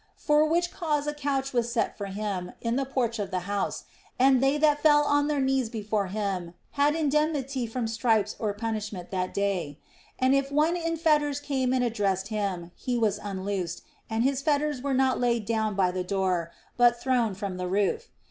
For which cause a couch was set for him in the porch of the house, and they that fell on their knees before him had indem nity from stripes or punishment that day ; and if one in fetters came and addressed him, he was unloosed, and his fetters were not laid down by the door but thrown from the roof.